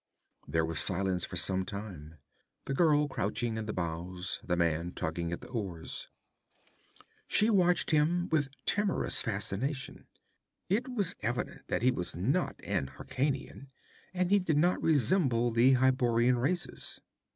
There was silence for some time, the girl crouching in the bows, the man tugging at the oars. She watched him with timorous fascination. It was evident that he was not an Hyrkanian, and he did not resemble the Hyborian races.